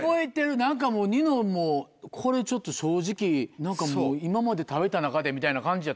何かもうニノも「これちょっと正直今まで食べた中で」みたいな感じやった。